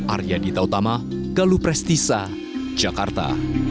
arya dita utama galuprestisa jakarta